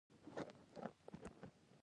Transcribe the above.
پکول یې په یو خاص سټایل پر سر اېښی وو.